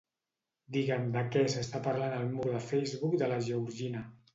Digue'm de què s'està parlant al mur de Facebook de la Georgina.